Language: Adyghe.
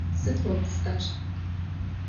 Sıd vo pts'er?